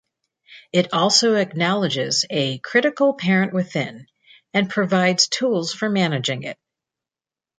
It also acknowledges a Critical Parent Within and provides tools for managing it.